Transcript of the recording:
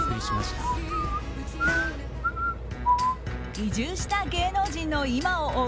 移住した芸能人の今を追う